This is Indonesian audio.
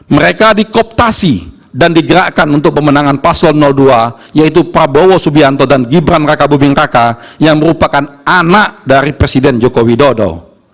mereka dikooptasi dan digerakkan untuk pemenangan paslon dua yaitu prabowo subianto dan gibran raka buming kakak yang merupakan anak dari presiden joko widodo